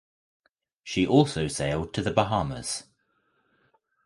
She also sailed to the Bahamas.